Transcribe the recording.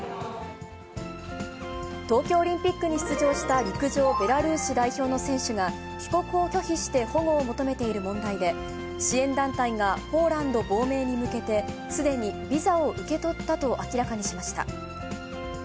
東京オリンピックに出場した陸上ベラルーシ代表の選手が、帰国を拒否して保護を求めている問題で、支援団体が、ポーランド亡命に向けて、すでにビザを受け取ったと明らかにしました。